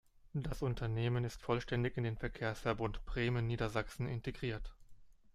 Das Unternehmen ist vollständig in den Verkehrsverbund Bremen-Niedersachsen integriert.